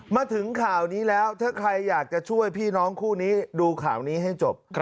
มาถึงข่าวนี้แล้วถ้าใครอยากจะช่วยพี่น้องคู่นี้ดูข่าวนี้ให้จบ